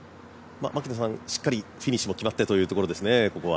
しっかりフィニッシュも決まってというところですね